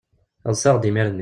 Ḍsiɣ-d imir-nni.